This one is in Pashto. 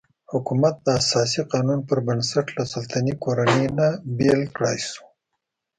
حکومت د اساسي قانون پر بنسټ له سلطنتي کورنۍ نه بېل کړای شو.